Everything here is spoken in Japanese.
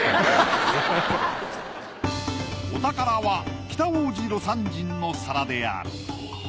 お宝は北大路魯山人の皿である。